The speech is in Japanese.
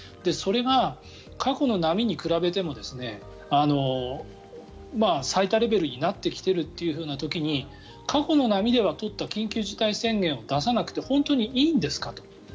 それが過去の波に比べても最多レベルになってきているという時に過去の波では取った緊急事態宣言を出さなくて本当にいいんですかと。